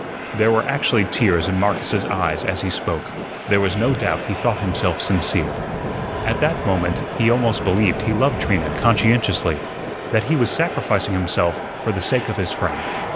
There were actually tears in Marcus's eyes as he spoke. There was no doubt he thought himself sincere. At that moment he almost believed he loved Trina conscientiously, that he was sacrificing himself for the sake of his friend.